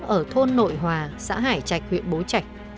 ở thôn nội hòa xã hải trạch huyện bố trạch